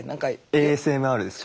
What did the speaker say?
ＡＳＭＲですか。